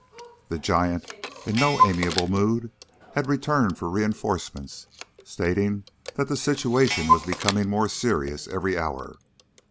The giant, in no amiable mood, had returned for reinforcements, stating that the situation was becoming more serious every hour.